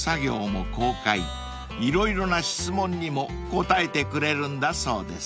［色々な質問にも答えてくれるんだそうです］